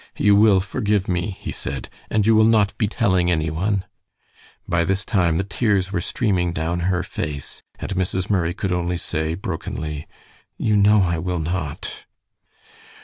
"You will forgive me," he said; "and you will not be telling any one." By this time the tears were streaming down her face, and Mrs. Murray could only say, brokenly, "You know I will not."